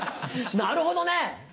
なるほどね！